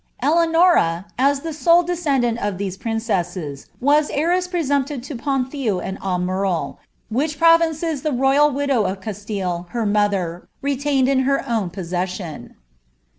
Eleanora, as the sole descendant of these princesses, was heiress nmptive to Ponthieu and Aumerle, which provinces the royal widow !!SMtille, her mother, retained in her own possession.